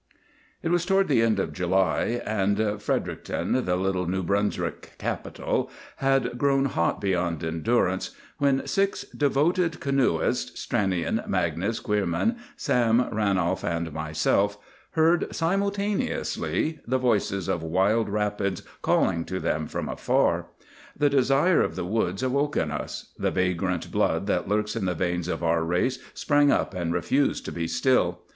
It was toward the end of July, and Fredericton, the little New Brunswick capital, had grown hot beyond endurance, when six devoted canoeists—Stranion, Magnus, Queerman, Sam, Ranolf, and myself—heard simultaneously the voices of wild rapids calling to them from afar. The desire of the woods awoke in us. The vagrant blood that lurks in the veins of our race sprang up and refused to be still.